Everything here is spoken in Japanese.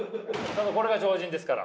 これが超人ですから。